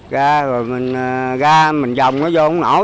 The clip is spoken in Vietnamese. ra rồi mình ra mình dòng nó vô không nổi